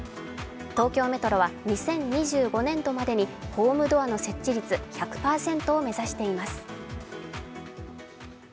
東京メトロは２０２５年度までにホームドアの設置率１００％を目指しています。